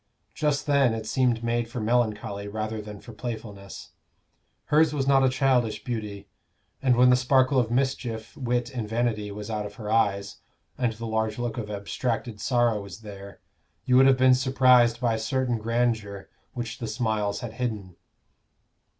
Just then it seemed made for melancholy rather than for playfulness. Hers was not a childish beauty; and when the sparkle of mischief, wit and vanity was out of her eyes, and the large look of abstracted sorrow was there, you would have been surprised by a certain grandeur which the smiles had hidden.